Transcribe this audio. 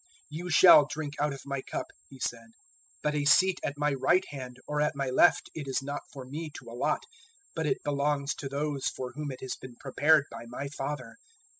020:023 "You shall drink out of my cup," He said, "but a seat at my right hand or at my left it is not for me to allot, but it belongs to those for whom it has been prepared by my Father."